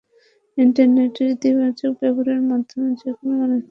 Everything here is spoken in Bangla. ইন্টারনেটের ইতিবাচক ব্যবহারের মাধ্যমে যেকোনো মানুষ তাঁর জীবনকে সমৃদ্ধ করতে পারেন।